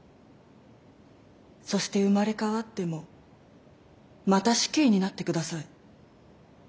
そして生まれ変わってもまた死刑になってください。